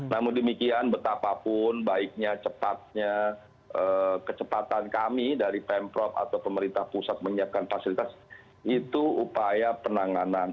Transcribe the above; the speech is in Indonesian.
namun demikian betapapun baiknya cepatnya kecepatan kami dari pemprov atau pemerintah pusat menyiapkan fasilitas itu upaya penanganan